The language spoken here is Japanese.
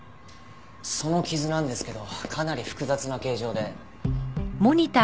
その傷なんですけどかなり複雑な形状で。